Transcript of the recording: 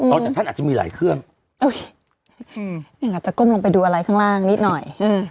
จากท่านอาจจะมีหลายเครื่องหนึ่งอาจจะก้มลงไปดูอะไรข้างล่างนิดหน่อย